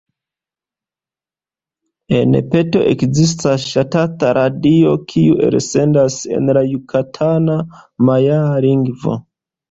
En Peto ekzistas ŝtata radio, kiu elsendas en la jukatana majaa lingvo.